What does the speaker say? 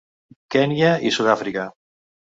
Kenya i Sud-àfrica.